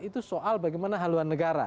itu soal bagaimana haluan negara